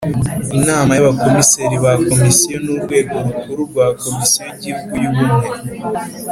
Inama y Abakomiseri ba Komisiyo ni urwego rukuru rwa Komisiyo y Igihugu y Ubumwe